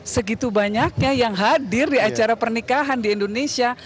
segitu banyaknya yang hadir di acara pernikahan di indonesia